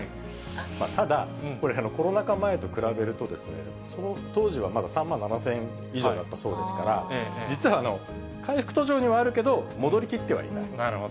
ただ、これ、コロナ禍前と比べると、その当時はまだ３万７０００円以上だったそうですから、実は、回復途上にはあるけど、戻りきってはいない。